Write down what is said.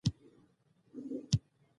زه به یې وږم اوږغ دواړه لکه دوه سپیڅلي،